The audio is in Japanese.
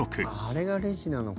あれがレジなのか。